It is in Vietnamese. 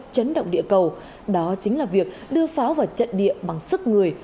chấn động địa cầu đó chính là việc đưa pháo vào trận địa bằng sức người